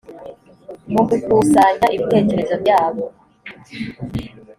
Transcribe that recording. mu gukusanya ibitekerezo byabo